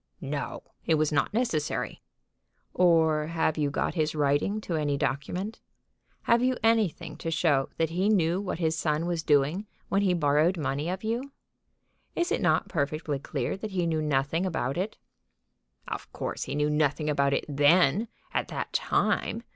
"No; it was not necessary." "Or have you got his writing to any document? Have you anything to show that he knew what his son was doing when he borrowed money of you? Is it not perfectly clear that he knew nothing about it?" "Of course he knew nothing about it then, at that time.